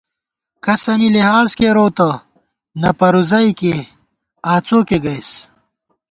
کسَنی لحاظ کېرُو تہ نہ پروزَئیکے آڅوکے گَئیس